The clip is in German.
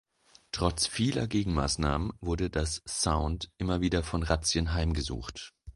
Trotz vieler Gegenmaßnahmen wurde das Sound immer wieder von Razzien heimgesucht.